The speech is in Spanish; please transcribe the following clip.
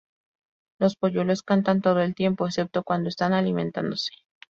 Los polluelos cantan todo el tiempo excepto cuando están alimentándose.